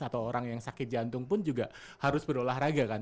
atau orang yang sakit jantung pun juga harus berolahraga kan